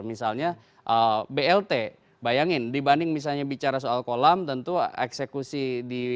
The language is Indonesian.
misalnya blt bayangin dibanding misalnya bicara soal kolam tentu eksekusi di